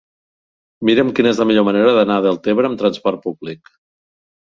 Mira'm quina és la millor manera d'anar a Deltebre amb trasport públic.